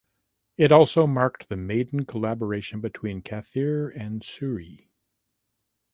It also marked the maiden collaboration between Kathir and Soori.